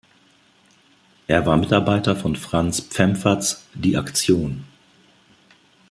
Er war Mitarbeiter von Franz Pfemferts "Die Aktion".